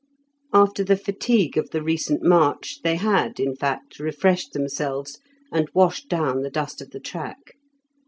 After the fatigue of the recent march, they had, in fact, refreshed themselves, and washed down the dust of the track.